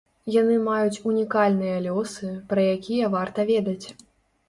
Яны маюць унікальныя лёсы, пра якія варта ведаць.